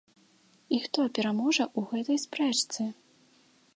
І хто пераможа ў гэтай спрэчцы?